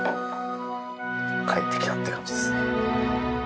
帰ってきたって感じですね。